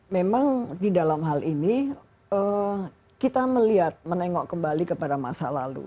memang di dalam hal ini kita melihat menengok kembali kepada masa lalu